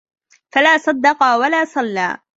فَلا صَدَّقَ وَلا صَلّى